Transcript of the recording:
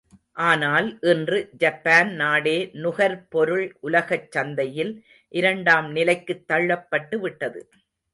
ஆனால் இன்று ஜப்பான் நாடே நுகர் பொருள் உலகச் சந்தையில் இரண்டாம் நிலைக்குத் தள்ளப்பட்டு விட்டது.